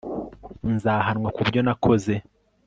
nzahanwa kubyo nakoze